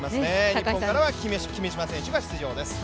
日本からは君嶋選手が出場です。